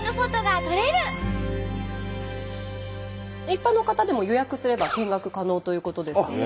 一般の方でも予約すれば見学可能ということですので。